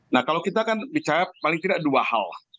nah kalau kita kan bicara paling tidak dua hal